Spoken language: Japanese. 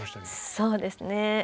そうですね。